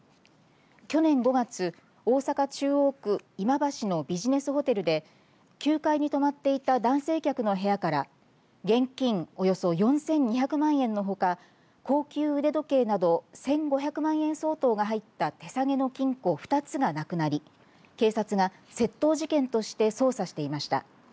去年５月、大阪、中央区今橋のビジネスホテルで９階に泊まっていた男性客の部屋から現金およそ４２００万円のほか高級腕時計など１５００万円相当が入った手提げの金庫２つがなくなり警察が窃盗事件として捜査していました。